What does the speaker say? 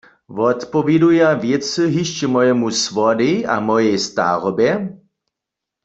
Wotpowěduja wěcy hišće mojemu słodej a mojej starobje?